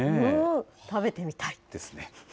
食べてみたい。ですね。